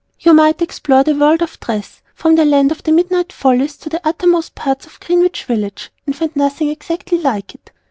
You might explore the World of Dress, from the Land of the Midnight Follies to the Uttermost parts of Greenwich Village and find nothing exactly like it.